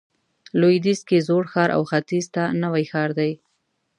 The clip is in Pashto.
لویدیځ کې زوړ ښار او ختیځ ته نوی ښار دی.